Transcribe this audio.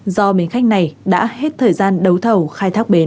do bến khách này đã hết thời gian đấu thầu khai thác bến